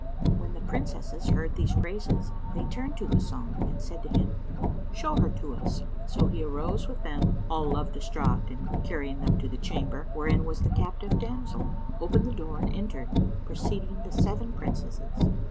When the Princesses heard these praises, they turned to Hasan and said to him, "Show her to us." So he arose with them, all love distraught, and carrying them to the chamber wherein was the captive damsel, opened the door and entered, preceding the seven Princesses.